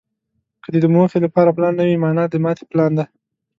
که د موخې لپاره پلان نه وي، مانا یې د ماتې پلان دی.